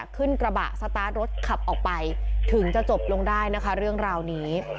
ขึ้นกระบะสตาร์ทรถขับออกไปถึงจะจบลงได้นะคะเรื่องราวนี้